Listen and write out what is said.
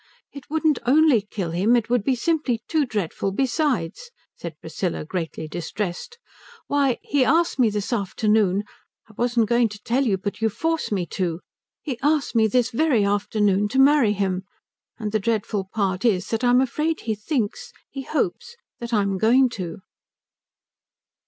"It wouldn't only kill him it would be simply too dreadful besides," said Priscilla, greatly distressed. "Why, he asked me this afternoon wasn't going to tell you, but you force me to he asked me this very afternoon to marry him, and the dreadful part is that I'm afraid he thinks he hopes that I'm going to."